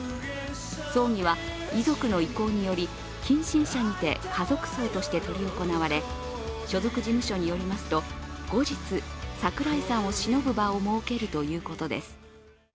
葬儀は遺族の意向により近親者にて家族葬として執り行われ所属事務所によりますと後日、櫻井さんをしのぶ場を設けるということです。